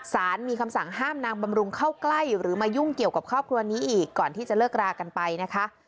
สารมีคำสั่งห้ามนางบำรุงเข้าใกล้หรือมายุ่งเกี่ยวกับครอบครัวนี้อีกก่อนที่จะเลิกรากันไปนะคะ